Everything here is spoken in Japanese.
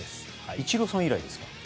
イチローさん以来ですか？